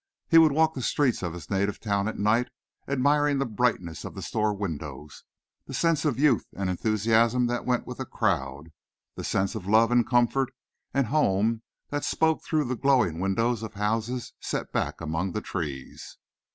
He would walk the streets of his native town at night, admiring the brightness of the store windows, the sense of youth and enthusiasm that went with a crowd; the sense of love and comfort and home that spoke through the glowing windows of houses set back among trees.